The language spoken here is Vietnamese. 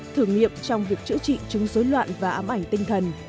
thử nghiệm trong việc chữa trị chứng dối loạn và ám ảnh tinh thần